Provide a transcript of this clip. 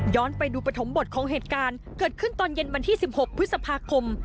ไปดูปฐมบทของเหตุการณ์เกิดขึ้นตอนเย็นวันที่๑๖พฤษภาคม